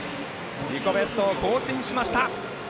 自己ベストを更新しました。